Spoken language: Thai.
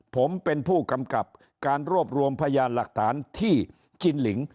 ผมเป็นผู้กำกับการรวบรวมพยานหลักฐานที่จินหลิง